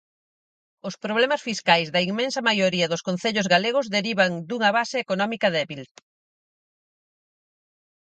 Os problemas fiscais da inmensa maioría dos concellos galegos derivan dunha base económica débil.